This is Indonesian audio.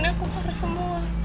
aku paruh semua